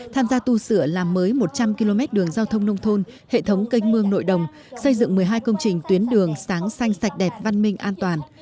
tham gia tu sửa làm mới một trăm linh km đường giao thông nông thôn hệ thống kênh mương nội đồng xây dựng một mươi hai công trình tuyến đường sáng xanh sạch đẹp văn minh an toàn